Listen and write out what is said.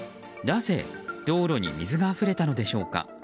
なぜ、道路に水があふれたのでしょうか。